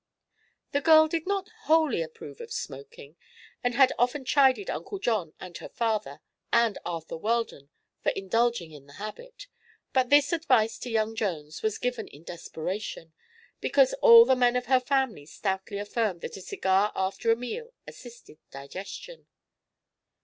The girl did not wholly approve of smoking and had often chided Uncle John and her father and Arthur Weldon for indulging in the habit; but this advice to young Jones was given in desperation, because all the men of her family stoutly affirmed that a cigar after a meal assisted digestion.